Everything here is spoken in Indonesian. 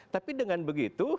tapi dengan begitu